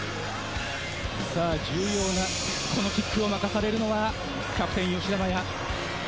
さぁ重要なこのキックを任されるのはキャプテン・吉田麻也。